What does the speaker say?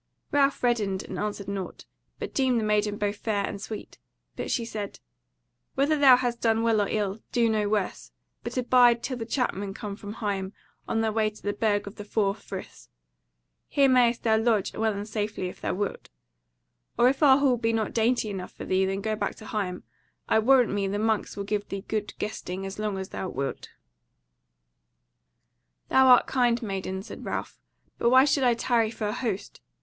Ralph reddened and answered nought; but deemed the maiden both fair and sweet. But she said: "Whether thou hast done well or ill, do no worse; but abide till the Chapmen come from Higham, on their way to the Burg of the Four Friths. Here mayst thou lodge well and safely if thou wilt. Or if our hall be not dainty enough for thee, then go back to Higham: I warrant me the monks will give thee good guesting as long as thou wilt." "Thou art kind, maiden," said Ralph, "but why should I tarry for an host?